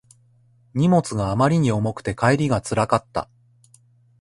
荷物があまりに重くて帰りがつらかった